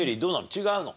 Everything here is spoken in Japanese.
違うの？